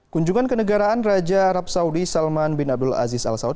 kunjungan kenegaraan raja arab saudi salman bin abdul aziz al saud